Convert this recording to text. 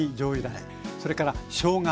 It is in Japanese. それからしょうが